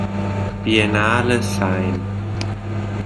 Biennale sein.